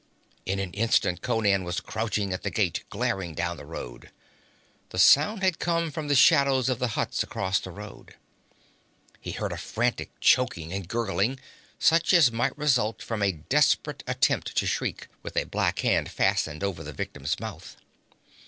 In an instant Conan was crouching at the gate, glaring down the road. The sound had come from the shadows of the huts across the road. He heard a frantic choking and gurgling such as might result from a desperate attempt to shriek, with a black hand fastened over the victim's mouth.